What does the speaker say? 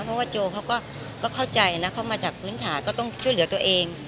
เพราะว่าโจเขาก็เข้าใจนะเขามาจากพื้นฐานก็ต้องช่วยเหลือตัวเอง